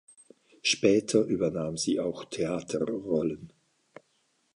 Später übernahm sie auch Theaterrollen.